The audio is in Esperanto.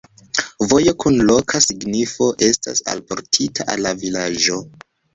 Vojo kun loka signifo estas alportita al la vilaĝo.